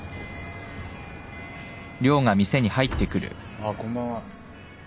ああこんばんは。